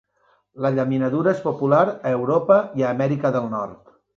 La llaminadura és popular a Europa i a Amèrica del Nord.